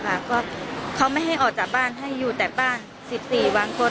เพราะเขาไม่ได้ให้ออกจากบ้านให้อยู่แต่บ้าน๑๔วันเฌิศ